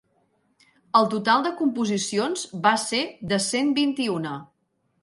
El total de composicions va ser de cent vint-i-una.